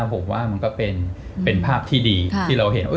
ผมว่ามันก็เป็นภาพที่ดีที่เราเห็นว่า